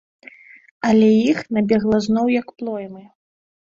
Але іх набегла зноў як плоймы.